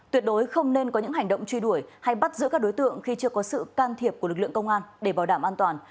tuyệt đối không nên có những hành động truy đuổi hay bắt giữ các đối tượng khi chưa có sự can thiệp của lực lượng công an để bảo đảm an toàn